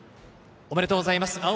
おめでとうございます。